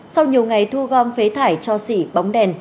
sau nhiều ngày thu gom phế thải cho xỉ bóng đèn